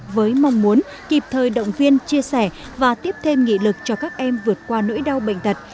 với mong muốn kịp thời động viên chia sẻ và tiếp thêm nghị lực cho các em vượt qua nỗi đau bệnh tật